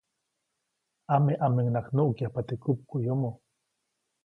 Ameʼameʼuŋnaʼajk nuʼkyajpa teʼ kupmuʼyomo.